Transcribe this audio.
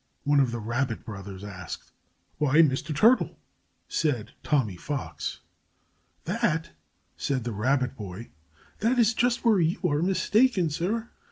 one of the Rabbit brothers asked. "Why, Mr. Turtle!" said Tommy Fox. "That," said the Rabbit boy, "that is just where you are mistaken, sir.